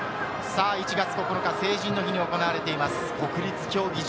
１月９日、成人の日に行われています国立競技場。